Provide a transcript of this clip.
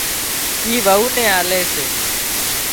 اي وئو نين آلي سي